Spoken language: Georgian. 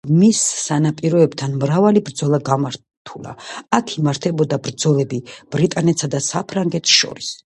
მის სანაპიროებთან მრავალი ბრძოლა გამართულა, აქ იმართებოდა ბრძოლები ბრიტანეთსა და საფრანგეთს შორის.